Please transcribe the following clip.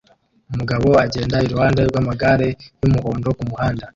Umugabo agenda iruhande rw'amagare y'umuhondo kumuhanda